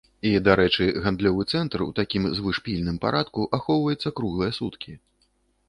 І, дарэчы, гандлёвы цэнтр у такім звышпільным парадку ахоўваецца круглыя суткі.